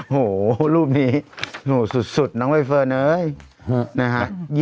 โหรูปนี้โหสุดน้องเวฟเฟิร์นเอ๊ย